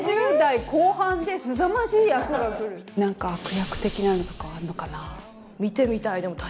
何か悪役的なのとかあんのかな？